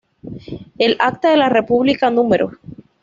El Acta de la República No.